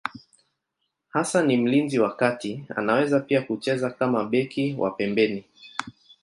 Hasa ni mlinzi wa kati, anaweza pia kucheza kama beki wa pembeni.